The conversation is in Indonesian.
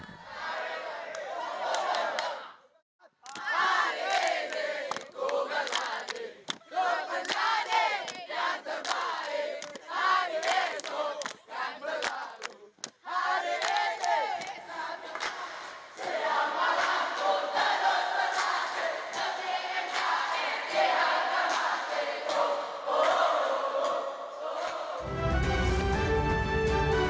hari ini tuhan berkati tuhan menjadi yang terbaik